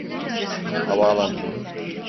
Havaalanına.